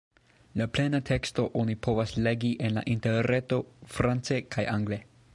La plena teksto oni povas legi en la Interreto france kaj angle.